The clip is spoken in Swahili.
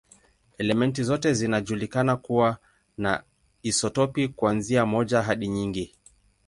Elementi zote zinajulikana kuwa na isotopi, kuanzia moja hadi nyingi.